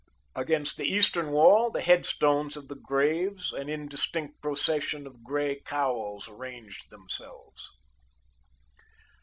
Against the eastern wall the headstones of the graves, an indistinct procession of grey cowls ranged themselves.